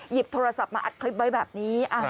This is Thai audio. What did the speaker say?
หยิบโทรศัพท์มาอัดคลิปไว้แบบนี้